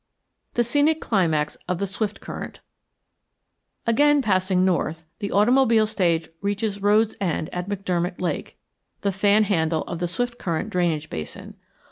THE SCENIC CLIMAX OF THE SWIFTCURRENT Again passing north, the automobile stage reaches road's end at McDermott Lake, the fan handle of the Swiftcurrent drainage basin.